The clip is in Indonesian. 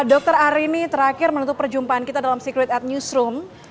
dokter arini terakhir menutup perjumpaan kita dalam secret at newsroom